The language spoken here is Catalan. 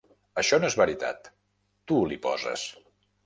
Això no és veritat; tu l'hi poses.